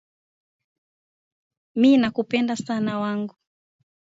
Mi na kupenda sana wangu